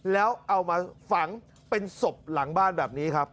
แล้วเอามาฝังเป็นศพหลังบ้านแบบนี้ครับ